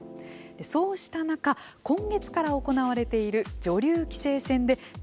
そうした中今月から行われている女流棋聖戦でタイトルを争う